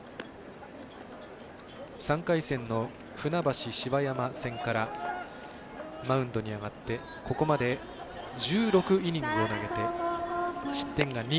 ３回戦の船橋芝山戦からマウンドに上がってここまで１６イニングを投げて失点が２。